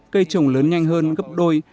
cây trồng lớn nhanh hơn gấp đôi